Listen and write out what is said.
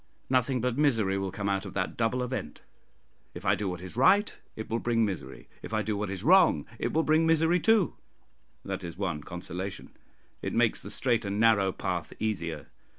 Nothing but misery will come out of that double event: if I do what is right, it will bring misery; if I do what is wrong, it will bring misery too, that is one consolation it makes the straight and narrow path easier.